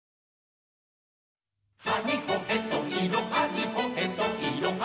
「はにほへといろはにほへといろは」